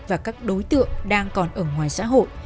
và các đối tượng đang còn ở ngoài xã hội